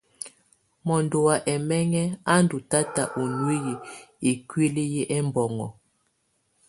Mɔndɔ wa ɛmɛŋɛ a ndù tata u nuiyi ikuili yɛ ɛbɔŋɔ.